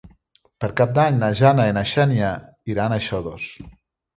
Per Cap d'Any na Jana i na Xènia iran a Xodos.